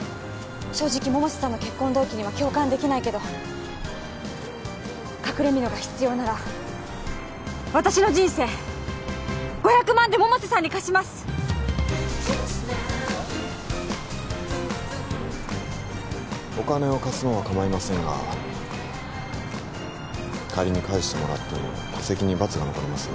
正直百瀬さんの結婚動機には共感できないけど隠れみのが必要なら私の人生５００万で百瀬さんに貸しますお金を貸すのは構いませんが仮に返してもらっても戸籍にバツが残りますよ